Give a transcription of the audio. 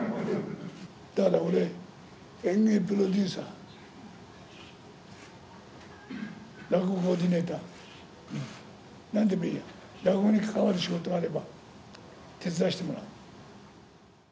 だから俺、演芸プロデューサー、落語コーディネーター、なんでもいいや、落語に関わる仕事があれば手伝わせてもらう。